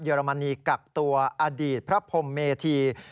อรมนีกักตัวอดีตพระพรมเมธี